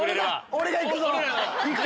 俺が行くぞ！